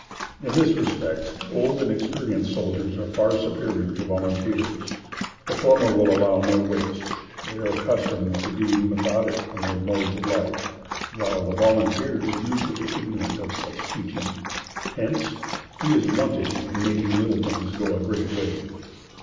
In this respect old and experienced soldiers are far superior to volunteers. The former will allow of no waste. They are accustomed to be methodic in their modes of life, while the volunteer is usually ignorant of such teaching; hence, he is wanting in making little things go a great way.